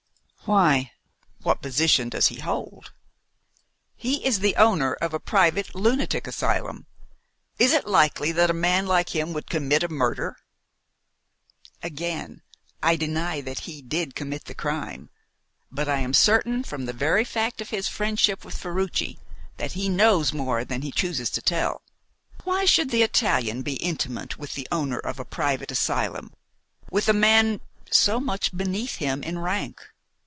"Why! what position does he hold?" "He is the owner of a private lunatic asylum. Is it likely that a man like him would commit a murder?" "Again I deny that he did commit the crime; but I am certain, from the very fact of his friendship with Ferruci, that he knows more than he chooses to tell. Why should the Italian be intimate with the owner of a private asylum with a man so much beneath him in rank?"